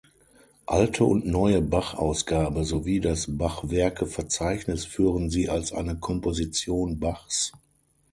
Alte und Neue Bach-Ausgabe sowie das Bach-Werke-Verzeichnis führen sie als eine Komposition Bachs.